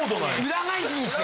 裏返しにして。